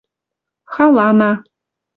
халана